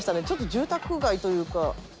住宅街というか。